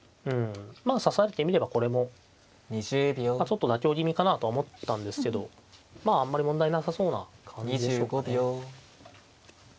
まあ指されてみればこれもちょっと妥協気味かなと思ったんですけどまああんまり問題なさそうな感じでしょうかね。